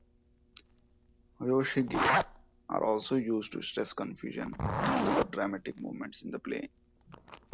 Hyoshigi are also used to stress confusion and other dramatic moments in the play.